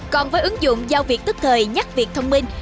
còn với ứng dụng giao việc tức thời nhắc việc thông minh